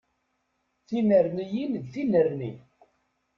Tinerniyin d tinerni.